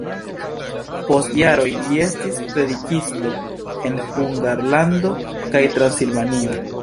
Post jaroj li estis predikisto en Hungarlando kaj Transilvanio.